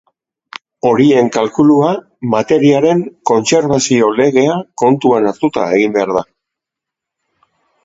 Horien kalkulua materiaren kontserbazio-legea kontuan hartuta egin behar da.